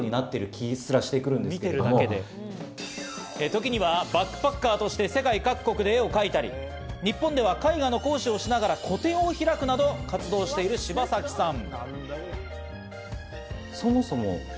時にはバックパッカーとして世界各国で絵を描いたり、日本では絵画の講師をしながら個展を開くなど活動をしている、柴崎さん。